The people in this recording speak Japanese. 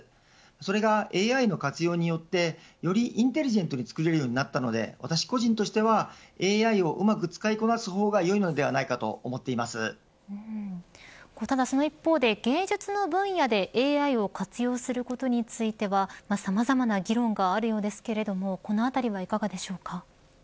それが、ＡＩの活用によってよりインテリジェントにつくれるようになったので私個人としてはＡＩをうまく使いこなす方がよいのではないかとただその一方で芸術の分野でＡＩを活用することについてさまざまな議論があるようですけれどもこのあたりはいかがでしょうか。